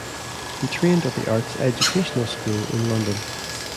He trained at the Arts Educational School in London.